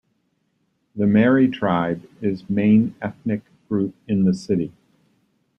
The Marri tribe is main ethnic group in the city.